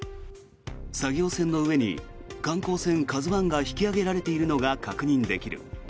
作業船の上に観光船「ＫＡＺＵ１」が引き揚げられているのが確認できる。